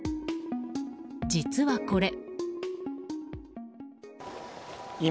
実はこれ。